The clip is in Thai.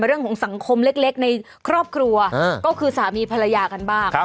เรื่องของสังคมเล็กในครอบครัวก็คือสามีภรรยากันบ้าง